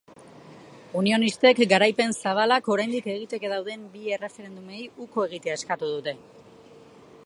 Unionistek garaipen zabalak oraindik egiteke dauden bi erreferendumei uko egitea eskatu dute.